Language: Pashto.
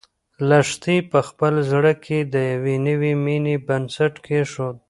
لښتې په خپل زړه کې د یوې نوې مېنې بنسټ کېښود.